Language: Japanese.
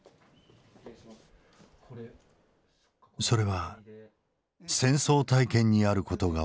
それは戦争体験にあることが分かった。